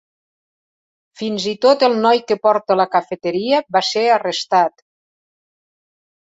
Fins i tot el noi que porta la cafeteria va ser arrestat.